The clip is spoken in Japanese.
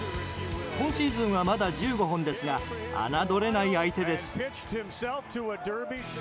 今シーズンはまだ１５本ですが侮れない相手です。